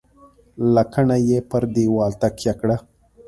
. لکڼه یې پر دېوال تکیه کړه .